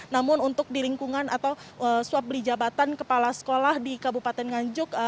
namun untuk di lingkungan atau suap beli jabatan kepala sekolah di kabupaten nganjuk